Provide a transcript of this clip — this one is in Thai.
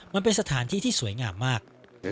มันเป็นสถานที่ที่สวยงามมาก